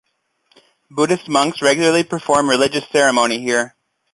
Buddhist monks regularly perform religious ceremony here.